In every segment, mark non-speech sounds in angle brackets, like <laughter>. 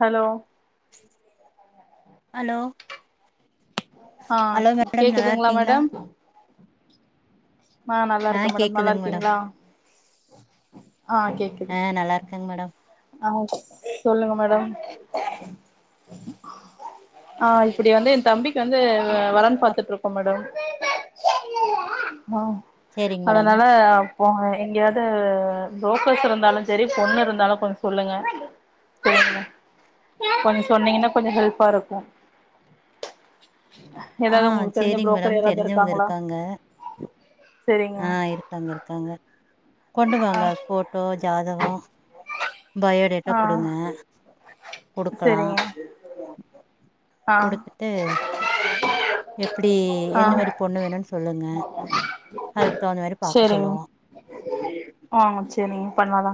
Hello hello அ hello madam நல்லா கேக்குதுங்களா இருக்கீங்களா மேடம் அ நல்லா ஆ இருக்கே மேடம் நல்லா கேக்குதுங்க இருக்கீங்களா ஆ கேக்கு அ நல்லா இருக்கங்க மேடம் ஆச் சொல்லுங்க மேடம் அ இப்டி வந்து என் தம்பி வந்து வரன் அப் பாத்துட்டு இருக்கோ மேடம் ம் சேரிங் மேடம் அதனால போங்க எங்கேயாது புரோக்கர்ஸ் இருந்தாலு செரி பொண்ணு இருந்தாலு கொஞ்சோ சொல்லுங்க சரிங்களா <inaudible> கொஞ்சோ சொன்னீங்கனா கொஞ்சோ ஹெல்பா இருக்கு ஆ ஏதாவது உங்களுக்கு தெரிஞ்ச சேரிங்க புரோக்கர் மேடம் யாராவது தெரிஞ்சவங்க இருக்காங்களா இருக்காங்க சரிங்க ஆ இருக்காங்க இருக்காங்க கொண்டு ஆ வாங்க போட்டோ ஜாதகோ பயோடேட்டா ஆ கொடுங்க குடுக்கலா சரிங்க ஆ குடுத்துட்டு எப்டி எந்த ஆ மாரி பொண்ணு வேணுனு சொல்லுங்க அதுக்கு தகுந்த மாரி பாக்க சொல்லுவோ ம் சேரிங்க பண்ணலா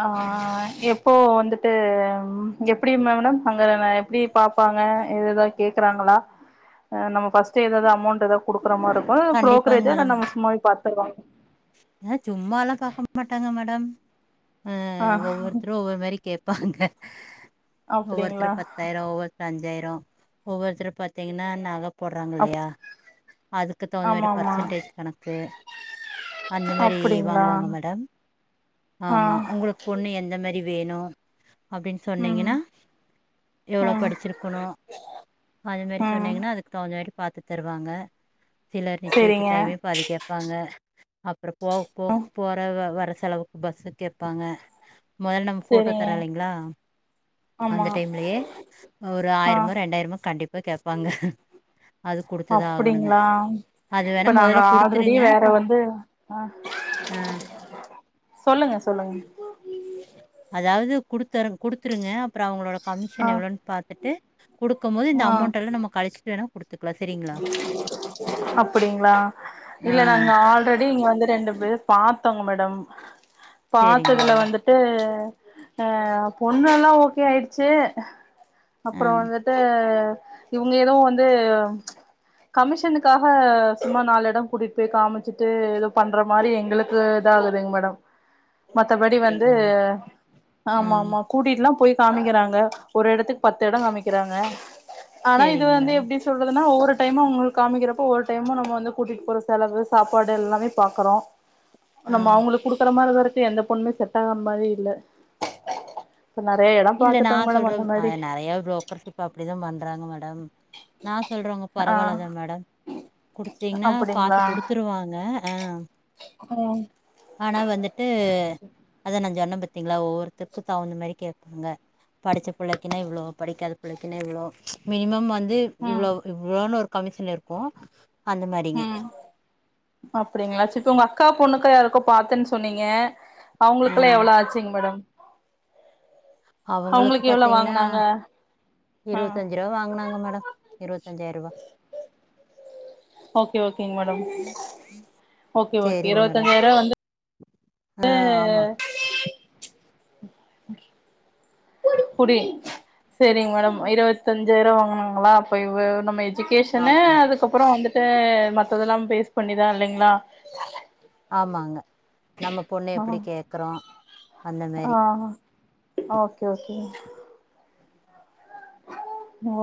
ஆ எப்போ வந்துட்டு ம் எப்டி மேடம் அங்க நா எப்டி பார்ப்பாங்க எதுன கேக்றாங்களா நம்ம ஃபர்ஸ்டே ஏதாவது அமௌண்ட் ஏதாவது குடுக்கற மாறி இருக் ஆ புரோக்ரே கண்டிப்பாங்க வெச்சு நாம சும்மாவே பாத்துக்லா ஏ சும்மால்லா பாக்க மாட்டாங்க மேடம் ஆ ஒவ்வொருத்தரு ஒவ்வொரு மாரி கேப் ப்பாங்க அப்டிங்களா ஒவ்வொருத்தர் பத்தாயிரோ ஒவ்வொ அஞ்சாயிரோ ஒவ்வொருத்தர் பாத்தீங்கனா நக போடுறாங்க அப் இல்லையா அதுக்கு தகுந்த ஆமா மாறி ஆமா பர்சன்டேஜ் கணக்கு அந்தமாறி அப்டிங்களா வாங்குவாங்க மேடம் ஆ ஆமா உங்குளுக்கு பொண்ணு எந்த மாரி வேணு அப்டின்னு ம் சொன்னீங்கனா எவ்ளோ ம் படிச்சிருக் க்குணு அதுமேரி ம் சொன்னீங்னா அதுக்கு தகுந்த மாரி பாத்து தருவாங்க சிலர் நிச்சயத்து சேரிங்க டைமே பாதி கேப்பாங்க அப்றோ போவ போ ம் போற வர செலவுக்கு பஸ்ஸுக்கு கேப்பாங்க முதல்ல நம்ம போட்டோ சேரிங்க தரோ இல்லைங்களா அந்த ஆமா டைம்லயே ஒரு ஆ ஆயிரமோ ரெண்டாயிரமோ கண்டிப்பா கேப்பாங்க அது குடுத்துதா ஆகணுங்க அப்டிங்களா அது வேணா இப்ப நாங்க மொதல்ல ஆல்ரெடி குடுத்துருங்க வேற வந்து ம் சொல்லுங்க சொல்லுங்க அதாவது குடுத்தர குடுத்துருங்க அப்றோ அவுங்ளோட ஆ கமிஷன் எவ்ளோனு பார்த்துட்டு குடுக்கும் போது இந்த ஆ அமௌண்ட் எல்லா நம்ம கழிச்சுட்டு வேணா குடுத்துக்கலா சரிங்களா அப்டிங்களா ஆ இல்ல நாங்க ஆல்ரெடி இங்க வந்து ரெண்டு பாத்தோங்க மேடம் சேரிங் பாத்ததுல மேடம் வந்துட் டு பொண்ணு எல்லா ஓகே ஆயிருச்சு ஆ அப்புற வந்துட்டு ட்டு இவங்க எதுவு வந்து கமிஷனுக்காக சும்மா நாலு எடோ கூட்டிட்டு போய் காமிச்சுட்டு ஏதோ பண்ற மாறி எங்களுக் கு இதாங்குதுங் மேடம் மத்தபடி வந்து அப்டிங்களா மேம் ஆ ஆமா ஆமா கூட்டிட்டுலா போய் காமிக்கிறாங்க ஒரு இடத்துக்கு பத்து இடம் காமிக்கிறாங்க ஆனா இது சேரிங் வந்து மேடம் எப்டி சொல் துன்னா ஒவ்வொரு டைுமும் உங்களுக்கு காமிக்கிறப்ப ஒவ்வரு டைமும் நம்ம வந்து கூட்டிட்டு போற செலவு சாப்பாடு எல்லாமே பாக்குறோம் ஆ நம்ம அவங்களுக்கு குடுக்குற மாறி தான் இருக்கும் எந்த பொண்ணுமே செட் ஆகற மாறி இல்ல நெறைய எடம் இல்ல நான் சொல்ற நிறைய புரோக்கர்ஸ் இப்ப அப்படிதான் பண்றாங்க மேடம் நா சொல்றவங்க ஆ பரவால்லதான் மேடம் குடுத்தீங்கன்னா பாத்து அப்டிங்களா குடுத்துருவாங்க ஆ அப்பறம் ஆனா வந்துட்டு அதா நான் சொன்ன பாத்தீங்களா ஒவ்வொருத்தருக்கும் தவுந்த மாறி கேப் ங்க படிச்ச பிள்ளைக்குனா இவ்ளோ படிக்காத பிள்ளைக்குனா இவ்ளோ மினிமம் வந்து ம் இவ்ளோவு இவ்ளோன்னு ஒரு கமிஷன் இருக்கும் ம் அப்படிங்களா சரி இப்ப உங்க அக்கா பொண்ணுக்கா யாருக்கோ பாத்தேன்னு சொன்னீங்க ஆ அவங்களுக்கெல்லாம் எவ்ளோ ஆச்சுங்க மேடம் அவங்களுக்கு எவ்ளோ வாங்குனாங்க ம் எதோ வாங்குனாங்க மேடம் இருவத்தஞ்சாயிர ரூவா ஓகே ஓகேங்க மேடம் ஓகே ஓகே சேரிங்க மேடம் இருபத்தஞ்சாயிர ரூவா வந்து ஆ ஆமா புடி சரிங்க மேடம் இருவத்தஞ்சாயிறம் வாங்கினாங்களா அப்ப இவ நம்ம எஜுகேஷன்னு ஆமாங்க அதுக்கு அப்புறோ வந்துட்டு மத்ததெல்லாம் பேஸ் பண்ணிதான் இல்லைங்களா ஆமாங்க நம்ம பொண்ண ஆ எப்படி கேக்குறோம் ஆ ஓகே ஓகேங்க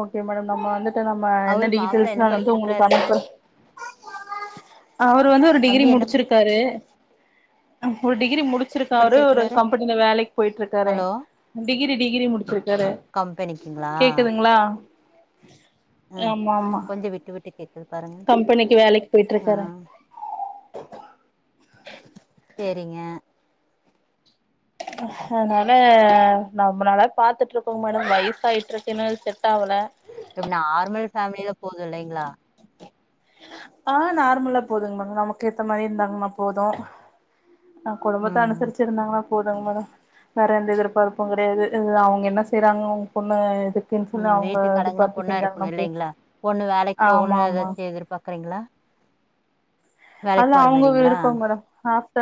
ஓகே மேடம் நம்ம வந்துட்டு நம்ம என்ன அவரு மாப்ள என்ன டீட்டெயல்ஸ்ம் வந்து உங்களுக்கு படிச்சிருக்கறாருங்க அனுப்பறேன் அவரு வந்து ஒரு டிகிரி தம்பி என்ன முடிச்சிருக்காரு ஒரு டிகிரி முடிச் ச்சிருக்காரு ஒரு படிச்சிருக்கறாரு கம்பெனில வேலைக்கு போயிட்டு இருக்காறே ஹலோ டிகிரி டிகிரி முடிச்சிருக்காரு கம்பெனிக்குங்களா கேக்குதுங்களா ஆ ஆமா ஆமா கொஞ்சோ விட்டு விட்டு கேக்குதுப்பா கம்பெனிக்கு வேலைக்கு போயிட்டு இருக்காரு சேரிங்க அதனால நொம்ப நாளா பாத்துட்டுருக்கோங்க மேடம் வயிசாகிட்டுருக்கு இன்னு எதும் செட் ஆகல இப்ப நார்மல் ஃபேமில போதும் இல்லைங்களா ஆ நார்மலா போதுங்க மேம் நமக்கு ஏத்த மாறி இருந்தாங்கன்னா போதும் ஆ குடும்பத்த ம் அனுசரிச்சு இருந்தாங்கனா போதுங்க மேடம் வேற எந்த எதிர்பார்ப்பும் கிடையாது அவங்க என்ன செய்யறாங்க அவங்க பொண்ணு இதுக் ம் வீட்டுக்கு அடங்கன பொண்ணா இருக்கணும் இல்லைங்களா பொண்ணு வேலைக்கு ஆமா போகணும் ஆமா ஏதாச்சு எதிர் பாக்குறீங்களா அது அவங்க விருப்பம் மேடம் க்த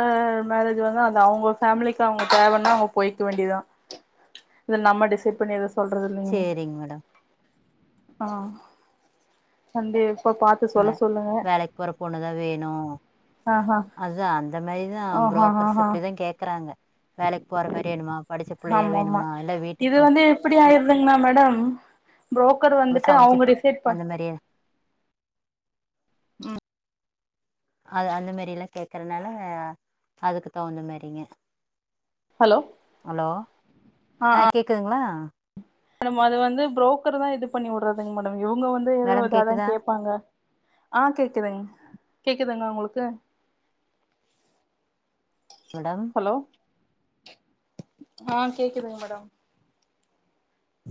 மேரேஜ் வந்து அது அவங்க ஃபேமிலிக்கு அவங்க தேவனா அவங்க போய்க்க வேண்டியதான் இது நம்ம டிசைட் பண்ணி எதும் சொல்றது இல்ல சேரிங்க மேடம் ஆ சண்டே அ வேலைக்கு போற பொண்ணுதான் வேணும் ஆஹா அதா அந்த மாரிதா ஆஹா புரோக்கர்ஸ் ஆஹா அப்படிதா கேக்குறாங்க வேலைக்கு போற மாரி வேணுமா படிச்ச புள்ளையா வேணுமா இல்ல வீட்டுக்கு மட் எப்படி ஆயிருதுங்கனா மேடம் புரோக்கர் வந்துட்டு சமைச்சு பி- அவங்களுடை சைடு பா அந்த மாரி ம் அது அந்த மாரி எல்லாம் கேக்குறதுனால அதுக்கு தகுந்த மாரிங்க ஹலோ ஹலோ ஆ கேக்குதுங்களா மேடம் அது வந்து பு்ரோக்கர் தா இது பண்ணி விடுறதுங்க மேடம் இவங்க வந்து ஏத மேடம் இதா தா கேக்குதா கேட்பாங்க ஆ கேக்குதுங் கேக்குதுங்களா உங்களுக்கு மேடம் ஹலோ ஆ கேக்குதுங்க மேடம்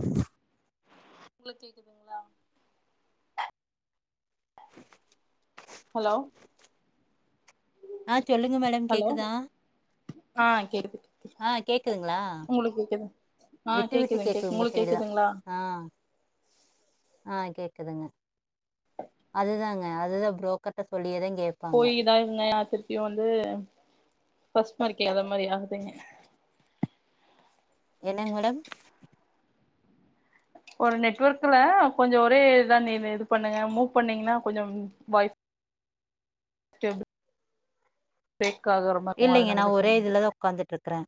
ஹ ஒங்களுக்கு கேக்குதுங்களா <inaudible> ஹலோ ஆ சொல்லுங்க மேடம் ஹலோ கேக்குதா ஆ கேக்குது கேக்குது ஆ கேக்குதுங்களா உங்களுக்கு கேக்குது ஆ விட்டு விட்டு கேக்குதுங்க கேக்குது கேக் உங்க உங்களுக்கு சைடு தா கேக்குதுங்களா ஆ ஆ கேக்குதுங்க அதுதாங்க அதுதா புரோக்கர்ட்ட சொல்லியே தா கே போய் இதா இருந்தே ஆ திருப்பியும் வந்து பஸ்ட் மார்க் இல்லாத மாதிரி ஆகுதே என்னங்க மேடம் ஒரு நெட்ஒர்க்கல கொஞ்சோ ஒரே இதா இது பண்ணுங்க மூவ் பண்ணீங்கன்னா கொஞ்சம் வைஃப் <inaudible> பிரேக் ஆகற மார்ருக்கு அதனாலதா சொன்ன உட்காந்துட்டு இருக்கறே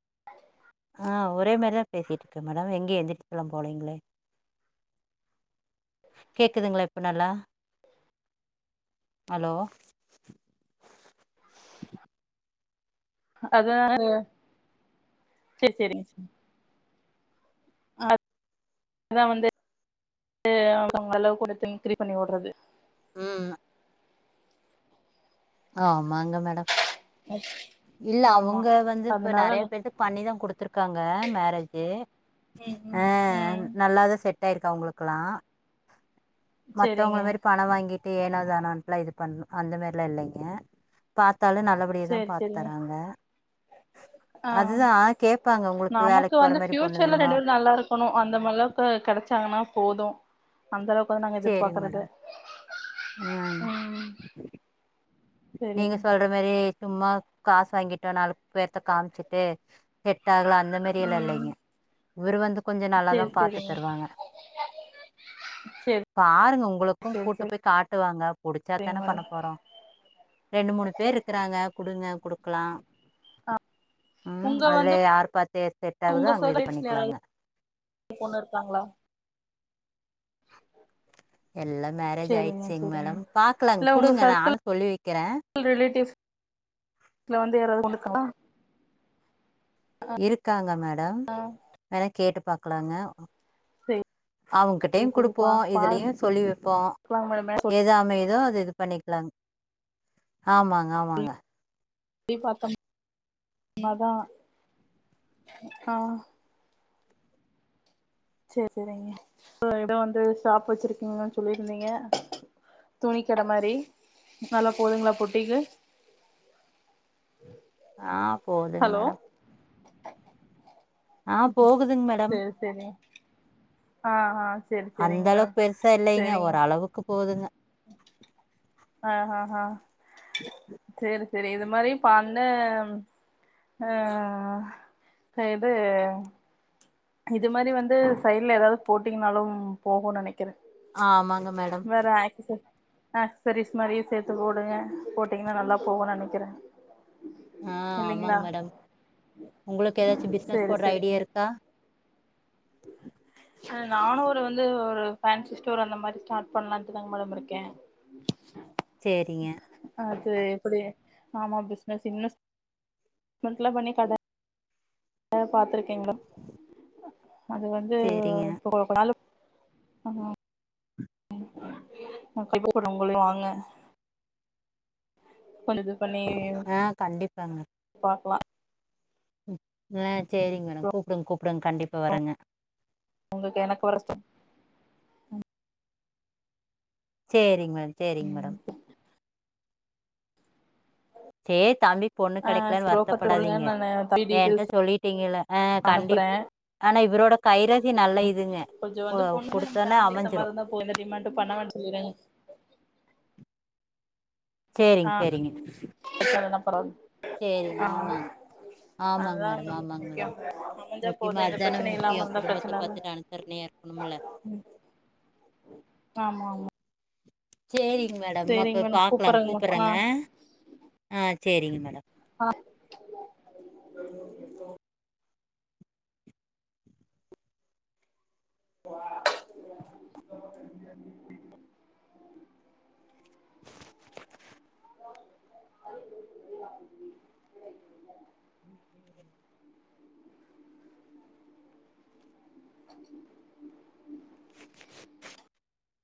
ஆ ஒரே மாரிதா பேசிட்டு இருக்கே மேடம் எங்கயு எந்திரிச்சு எல்லா போலீங்களே கேக்குதுங்களா இப்ப நல்லா ஹலோ அதனால சேர் செரிங்க செ அத் அதா வந்து அவங்க அளவு குடுத்து இன்கிரி பண்ணி விடுறது ம் ஆமாங்க மேடம் <inaudible> இல்ல ஆமா அவங்க வந்து இப்ப அதனால நெறைய பேத்துக்கு பண்ணிதா குடுத்துருக்காங்க மேரேஜு ம் ம் ஆ ம் நல்லாதா செட் ஆயிருக்கு அவங்களுக்கெல்லா சேரிங்க மத்தவங்கள மாரி பண வாங்கி ட்டு ஏனோ தானோன்ட்லா இது பண்ண அந்த வேல இல்லேங்க பாத்தாலே நல்லபடியதா சேரி பாத் சேரிங்க தராங்க அதுதா ஆ கேப்பாங்க உங்களுக்கு வேலைக்கு போற மாரி பொண்ணு வேணுமா போணும் அந்த மாதிரிலா கெடச்சாங்கன்னா போதும். அந்த அளவுக்கு வந்து நாங்க சேரிங்க எதிர்பார்க்குறது மேடம் ம் நீங்க செரிங்க சொல்ற மாதிரி சும்மா காசு வாங்கிட்டோ நாலு பேர்த்த காமிச்சுட்டு செட்டாகல அந்த மாரி எல்லாம் ம் இல்லைங்க இவரு வந்து கொஞ்சோ நல்லாதா செரி பாத்து செரிங்க தருவாங்க செரி பாருங்க உங்களுக்கும் செரி கூட்டு செரி போய் காட்டுவாங்க புடிச்சா செரிங்க தான பண்ண மேடம் போறோ ரெண்டு மூணு பேரு இருக்கிறாங்க குடுங்க குடுக் க்கலா ம் உங்க அதுல வந்து யாரு பாத்து செட் ஆகுதோ அங்க இது பண்ணிக்கலாங்க உன் பொண்ணு இருக்காங்ளா எல்லா மேரேஜ் செரிங்க ஆயிடுச்சுங் செரிங்க மேடம் பாக்கலங் உங்க குடுங்க சர்க்கிள் நானு சொல்லி வெக்கிறே ஃபேமிலி ரிலேட்டிவ்ஸ் இல்ல வந்து யாராவது வந்திருக்காங்ளா இருக்காங்க மேடம் அ வேணா கேட்டு பாக்கலாங்க செரி செரி அவுங்கிட்டயும் செரி குடுப்போ பா இதுலயு பாக்கலாங்க சொல்லி வெப்போ மேடம் ஏன்னா எது அமையுதோ அது இது பண்ணிக்கலாங்‌ ஆமாங்க ஆமாங்க எப்டி பாத்தம் சொன்னாதா ஆ சேர் சேரிங்க எவ்ளோ எடோ வந்து ஸ்டாப் வெச்சிருக்கீங்க சொல்லிருந்தீங்க துணிக்கடை மாரி நல்லா போதுங்ளா பொட்டிக்கு ஆ போகுதுங் ஹலோ மேடம் ஆ போகுதுங் மேடம் சேரிங் ஆ ஆ சேரி அந்த சேரிங்க மேடம் அளவுக்கு பெருசா இல்லைங்க சேரிங்க ஒரளவுக்கு போகுதுங்க ஆஹ்ஹா சேரி சேரி இது மாதிரியே பண்ணு ஆ க இது இது மாரி வந்து சைடுல எதாவது போட்டீங்கனாலும் போகுனு நெனை க்கிற ஆமாங்க மேடம் வேற அஆக்சஸரி அ சாரீஸ் மாரியே சேத்து போடுங்க போட்டீங்கனா நல்லா போகுனு நெனைக்கிற ஆ ஆமாங்க மேடம் உங்களுக்கு எதாச்சு பிஸ்னஸ் சேரி போடுற ஐடியா சேரிங்க இருக்கா உஹ ம் நானூ ஒரு வந்து ஒரு பேன்சி ஸ்டோர் அந்த மாரி ஸ்டார்ட் பண்ணலான்ட்டுதாங்க மேடம் இருக்கேன் சேரிங்க அது எப்டி ஆமா பிசனஸ் இன்வெஸ்மென்ட்ல்லா பண்ணி கட ஓ பாத்திருக்கேன் மேடம் அது வந்து சேரிங்க இப்போ வேல ஆமா <unintelligible> உங்களயு வாங்க கொஞ்சோ இது பண்ணி ஆ கண்டிப்பாங்க பாக்லா ஆ சேரிங் மேடம் கூப்டுங் கூப்டுங் கண்டிப்பா வர்றங்க உங்கள்க்கு எனக்கு வர ஸ்ட சேரிங் மேடம் சேரிங் மேடம் சேர் தம்பி க்கு பொண்ணு ஆ கெடைக்கலனு புரோக்கர்ட்ட சொல்லுங்க வருத்தப்படாதீங்க நானு தம்பி என்ட்ட டீட்டெயில்ஸ் சொல்லிட்டீஙகல்ல ஆ கண்டி அனுப்புறே ஆனா இவரோட கைரேகை நல்ல இதுங்க குடுத்தொன்ன அமைஞ்சிரு ஓ இந்த டிமாண்ட் பண்ண வேனா சொல்றீங் சேரிங் சேரிங் எச்சாகுதுனா பரவாலிங் சேரிங் ஆமாங் ஆமாங் அதா மேடம் நமக்கு ஆமாங் மேடம் முக்கியம் அமைஞ்சா முக்கியமா போது எந்த அதுதானே பிரச்சனையு இல்லாம முக்கியோ இருந்தா குடும்பத்த பாத்துட்டு அனுசரணயா க்கணுமல்ல ம் ஆமாமா சேரிங்க மேடம் அப்போ மேடம் பாக்கலாங் கூப்பறங்க மேம் ஆ கூப்டறங்க ஆ சேரிங்க மேடம் ஆ <unintelligible>